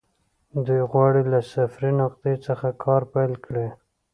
دوی غواړي له صفري نقطې څخه کار پيل کړي.